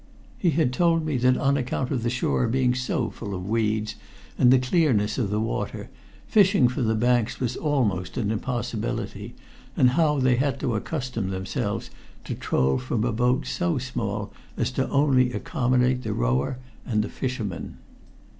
He had told me that on account of the shore being so full of weeds and the clearness of the water, fishing from the banks was almost an impossibility, and how they had to accustom themselves to troll from a boat so small as to only accommodate the rower and the fisherman.